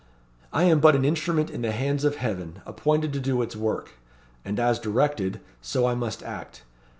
"I am but an instrument in the hands of Heaven, appointed to do its work; and as directed, so I must act.